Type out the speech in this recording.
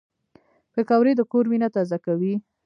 پکورې د کور مینه تازه کوي